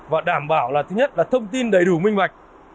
và đảm bảo là thứ nhất là thông tin đầy đủ minh bạch